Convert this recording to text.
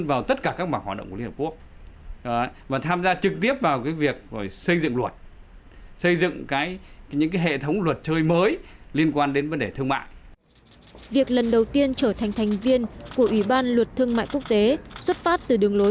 việc lần đầu tiên trở thành thành viên của ủy ban luật thương mại quốc tế xuất phát từ đường lối